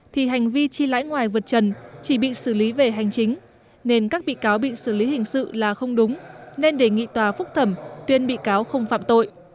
thì hành vi chi lãi ngoài vượt trần chỉ bị xử lý về hành chính nên các bị cáo bị xử lý hình sự là không đúng nên đề nghị tòa phúc thẩm tuyên bị cáo không phạm tội